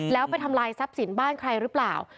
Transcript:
แล้วไปทำลายทรัพย์สินบ้านใครหรือเปล่า